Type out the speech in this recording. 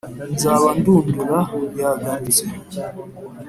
Nzaba ndundura yagarutse